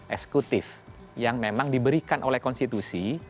eksekutif yang memang diberikan oleh konstitusi